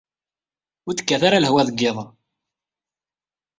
Ur d-tekkat ara lehwa deg yiḍ-a.